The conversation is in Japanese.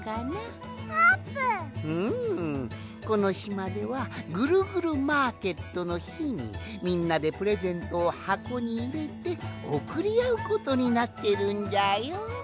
うんこのしまではぐるぐるマーケットのひにみんなでプレゼントをはこにいれておくりあうことになってるんじゃよ。